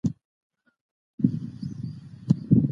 فشار د اورېدو توان کموي.